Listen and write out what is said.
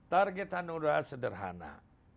target hanura sederhana